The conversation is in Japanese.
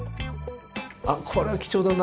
これは貴重だな。